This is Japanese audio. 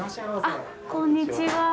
あっ、こんにちは。